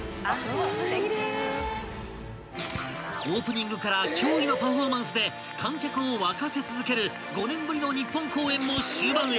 ［オープニングから驚異のパフォーマンスで観客を沸かせ続ける５年ぶりの日本公演も終盤へ］